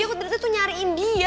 aku ternyata tuh nyariin dia